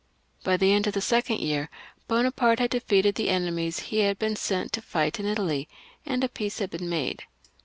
By the end of the second year Bonaparte had defeated the enemies he had been sent to fight ia Italy, and a peace had been made.